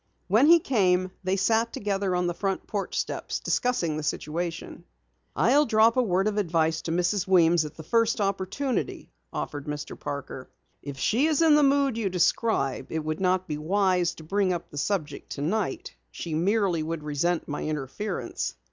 When he came, they sat together on the front porch steps, discussing the situation. "I'll drop a word of advice to Mrs. Weems at the first opportunity," offered Mr. Parker. "If she is in the mood you describe, it would not be wise to bring up the subject tonight. She merely would resent my interference."